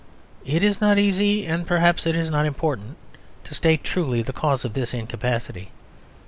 It is not easy, and perhaps it is not important, to state truly the cause of this incapacity.